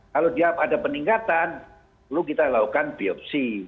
kalau dia ada peningkatan perlu kita lakukan biopsi